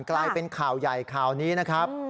กลายเป็นข่าวใหญ่ข่าวนี้นะครับ